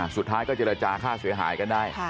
สุดท้ายก็เจรจาค่าเสียหายกันได้